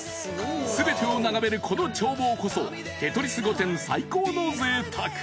［全てを眺めるこの眺望こそテトリス御殿最高のぜいたく］